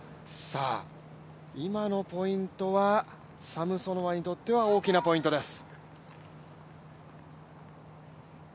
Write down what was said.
今のポイントはサムソノワにとっては大きなポイントです。